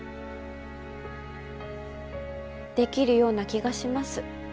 できるような気がします。